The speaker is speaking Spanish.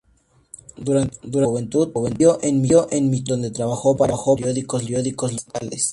Durante su juventud vivió en Míchigan, donde trabajó para periódicos locales.